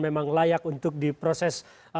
memang layak untuk diproses